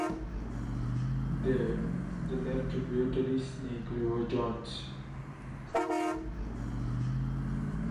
There, the left tributary Snake River joins.